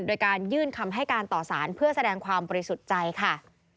โดยการยื่นคำให้การต่อสารเพื่อแสดงความบริสุทธิ์ใจค่ะ